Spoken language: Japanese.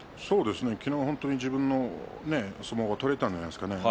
昨日は本当に自分の相撲が取れたんじゃないですか。